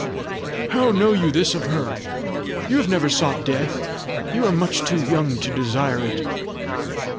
"How know you this of her? You have never sought death! you are much too young to desire it!"